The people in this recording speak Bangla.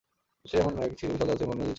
সে এমন এক বিশাল জাহাজ যার কোন নজীর ছিল না।